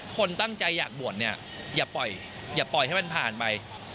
คนตั้งใจอยากบวชเนี่ยอย่าปล่อยให้มันผ่านไป